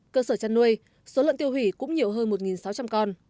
cơ sở chăn nuôi số lợn tiêu hủy cũng nhiều hơn một sáu trăm linh con